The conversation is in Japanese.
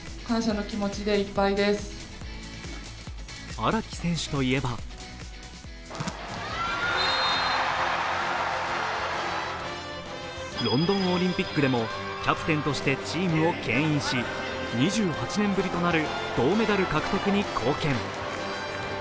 荒木選手といえばロンドンオリンピックでもキャプテンとしてチームをけん引し、２８年ぶりとなる銅メダル獲得に貢献。